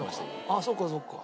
あっそっかそっか。